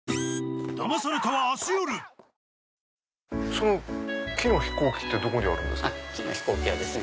その木の飛行機ってどこにあるんですか？